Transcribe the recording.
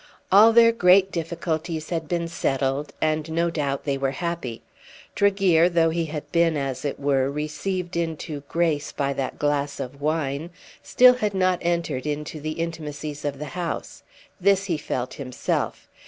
All their great difficulties had been settled, and no doubt they were happy. Tregear, though he had been as it were received into grace by that glass of wine, still had not entered into the intimacies of the house. This he felt himself.